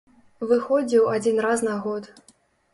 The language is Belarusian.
Выходзіў адзін раз на год.